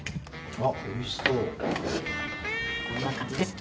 はいこんな感じです。